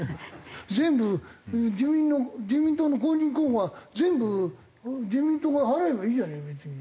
全部自民党の公認候補が全部自民党が払えばいいじゃない別に。